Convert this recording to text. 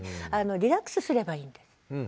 リラックスすればいいんです。